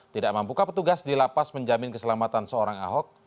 tidak mampukah petugas di lapas menjamin keselamatan seorang ahok